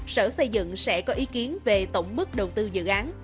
sở xây dựng sẽ có ý kiến về tổng mức đầu tư dự án